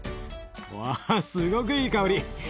わすごくいい香り。